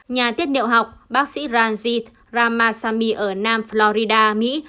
nhà tiết niệm học bác sĩ ranjit ramasamy ở nam florida mỹ